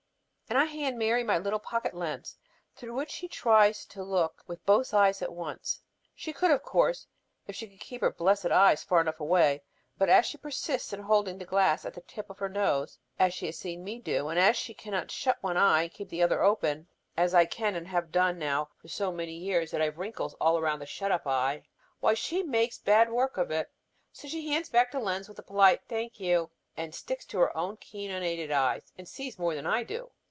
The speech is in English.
And I hand Mary my little pocket lens through which she tries to look with both eyes at once. She could, of course, if she would keep her blessed eyes far enough away, but as she persists in holding the glass at the tip of her nose as she has seen me do, and as she cannot shut one eye and keep the other open, as I can, and have done now so many years that I have wrinkles all round the shut up eye, why, she makes bad work of it. So she hands back the lens with a polite "thank you," and sticks to her own keen unaided eyes. And sees more than I do!